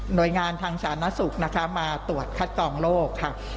หน่วยงานทางชานสุขมาตรวจคัดต่องโรค